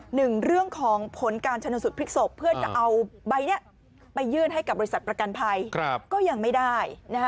หนึ่งเรื่องผลการชนสูตรพลิกศพเพื่อจะเอาใบนี้